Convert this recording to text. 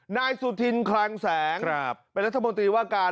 นายสุธินคลังแสงเป็นรัฐมนตรีว่าการ